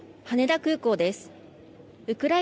羽田空港です。